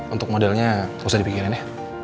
untuk modelnya nggak usah dipikirin ya